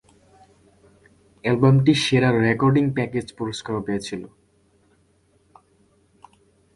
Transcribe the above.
অ্যালবামটি সেরা recording package পুরস্কারও পেয়েছিল।